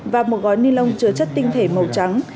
và một gói ni lông chứa chất tinh thể màu trắng